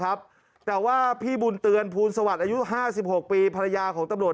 ครับแต่ว่าพี่บุญเตือนภูลสวัสดิ์อายุห้าสิบหกปีภรรยาของตำรวจ